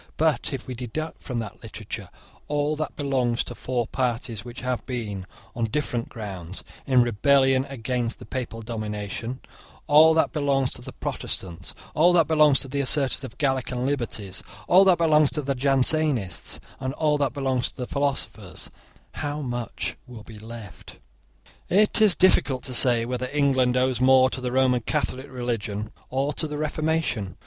But if we deduct from that literature all that belongs to four parties which have been, on different grounds, in rebellion against the Papal domination, all that belongs to the Protestants, all that belongs to the assertors of the Gallican liberties, all that belongs to the Jansenists, and all that belongs to the philosophers, how much will be left? It is difficult to say whether England owes more to the Roman Catholic religion or to the Reformation.